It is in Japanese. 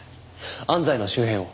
安西の周辺を。